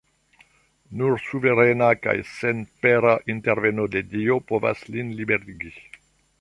Nur suverena kaj senpera interveno de Dio povas lin liberigi.